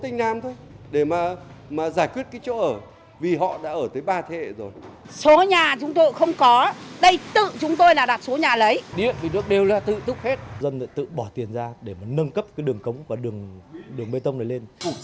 hãy đăng ký kênh để ủng hộ kênh của chúng mình nhé